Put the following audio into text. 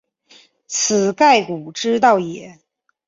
此盖古之道也。